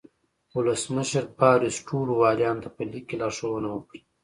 ولسمشر باریوس ټولو والیانو ته په لیک کې لارښوونه وکړه.